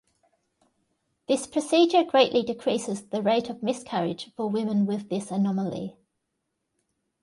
This procedure greatly decreases the rate of miscarriage for women with this anomaly.